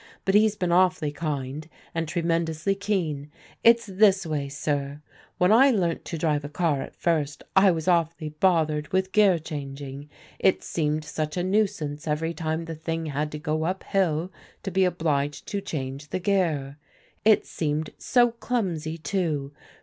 But he's been awfully kind, and tremendously keen. It's this way, sir. When I learnt to drive a car first, I was awfully bothered with gear changing. It seemed such a nuisance every time the thing had to go up hill to be obliged to change the gear. It seemed so clumsy, too.